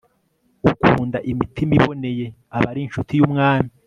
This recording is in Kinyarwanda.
ukunda imitima iboneye aba ari incuti y'umwami